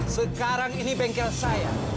sekarang ini bengkel saya